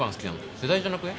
世代じゃなくね？